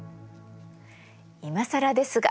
いまさらですが。